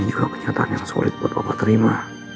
ini juga kenyataan yang sulit buat bapak terima